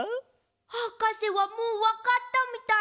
はかせはもうわかったみたい。